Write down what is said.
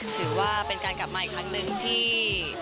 ถือว่าเป็นการกลับมาอีกครั้งหนึ่งที่